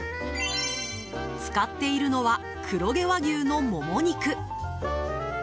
使っているのは黒毛和牛のもも肉。